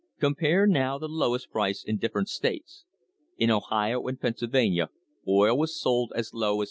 Compare, now, the lowest price in different states. In Ohio and Pennsylvania oil was sold as low as 5.